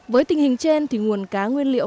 với tình hình trên thì nguồn cá nguyên liệu